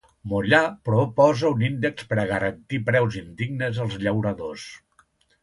Mollà proposa un índex per a garantir preus indignes als llauradors.